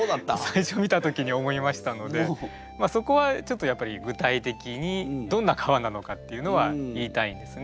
最初見た時に思いましたのでそこはちょっとやっぱり具体的にどんな皮なのかっていうのは言いたいんですね。